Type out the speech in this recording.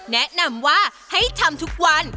แนะนำว่าให้ทำทุกวัน